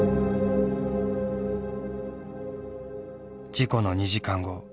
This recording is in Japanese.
事故の２時間後。